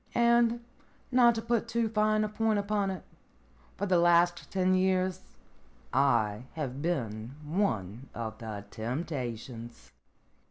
And, not to put too fine a point upon it, for the last ten years I have been one of the temptations."